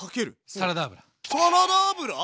サラダ油。